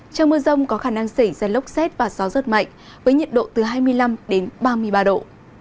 trong mưa rông có khả năng xảy ra lốc xét và gió rất mạnh với nhiệt độ từ hai mươi năm đến ba mươi ba độ